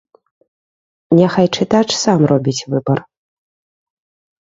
Няхай чытач сам робіць выбар.